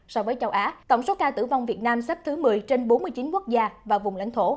so với châu á tổng số ca tử vong việt nam xếp thứ một mươi trên bốn mươi chín quốc gia và vùng lãnh thổ